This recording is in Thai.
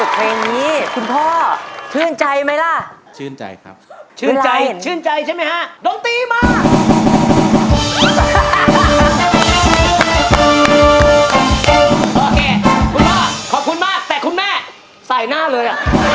คุณพ่อขอบคุณมากแต่คุณแม่ใส่หน้าเลย